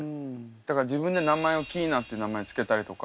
だから自分で名前をＫｉｉｎａって名前付けたりとか。